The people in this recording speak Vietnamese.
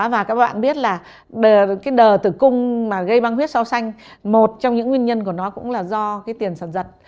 và các bạn biết là cái đờ tử cung mà gây băng huyết sau xanh một trong những nguyên nhân của nó cũng là do cái tiền sản giật